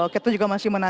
ketua juga masih menantang